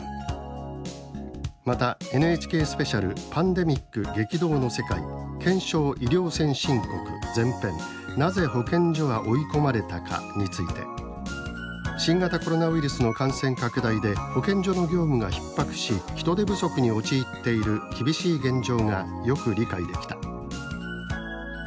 またＮＨＫスペシャルパンデミック激動の世界「検証“医療先進国”なぜ保健所は追い込まれたか」について「新型コロナウイルスの感染拡大で保健所の業務がひっ迫し人手不足に陥っている厳しい現状がよく理解できた」